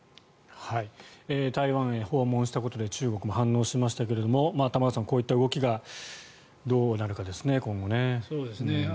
台湾へ訪問したことで中国も反応しましたが玉川さん、こういった動きがどうなるかですね、今後ね。